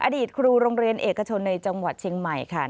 อดีตครูโรงเรียนเอกชนในจังหวัดเชียงใหม่ค่ะ